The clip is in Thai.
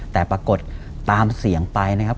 แต่ปรากฏตามเสียงไปนะครับ